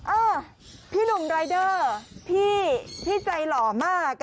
อ้าวพี่หนุ่มรายเดอร์พี่พี่ใจหล่อมากอ่ะ